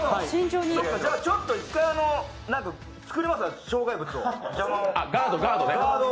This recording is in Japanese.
じゃ、ちょっと一回作ります障害物を、ガードを。